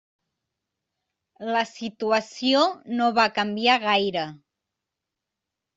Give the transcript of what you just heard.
La situació no va canviar gaire.